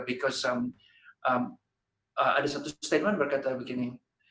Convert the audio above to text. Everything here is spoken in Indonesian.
because ada satu statement berkata begini